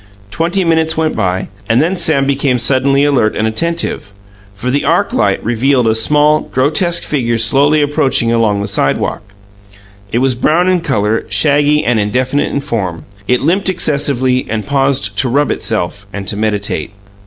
Twenty minutes went by, and then Sam became suddenly alert and attentive, for the arc light revealed a small, grotesque figure slowly approaching along the sidewalk. It was brown in colour, shaggy and indefinite in form; it limped excessively, and paused to rub itself, and to meditate.